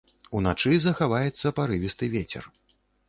Уначы захаваецца парывісты вецер.